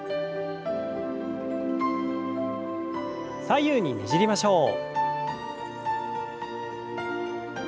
左右にねじりましょう。